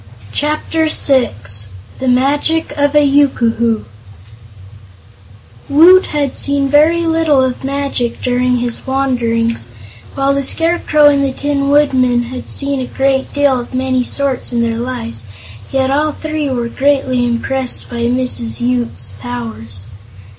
Chapter Six The Magic of a Yookoohoo Woot had seen very little of magic during his wanderings, while the Scarecrow and the Tin Woodman had seen a great deal of many sorts in their lives, yet all three were greatly impressed by Mrs. Yoop's powers.